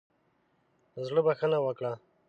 له زړۀ بخښنه وکړه.